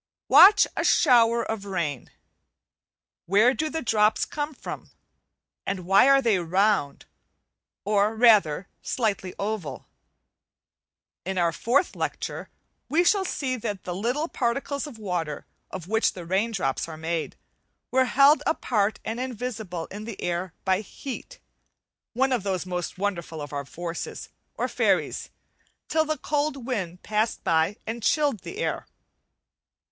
Watch a shower of rain. Where do the drops come from? and why are they round, or rather slightly oval? In our fourth lecture we shall se that the little particles of water of which the raindrops are made, were held apart and invisible in the air by heat, one of the most wonderful of our forces* or fairies, till the cold wind passed by and chilled the air.